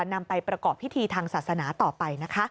นำไปประกอบพิธีทางศาสนาต่อไปนะคะ